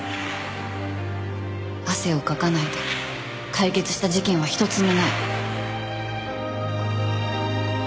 汗をかかないで解決した事件は一つもない。